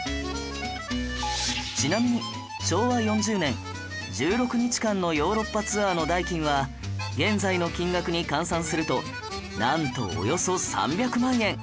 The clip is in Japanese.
ちなみに昭和４０年１６日間のヨーロッパツアーの代金は現在の金額に換算するとなんとおよそ３００万円！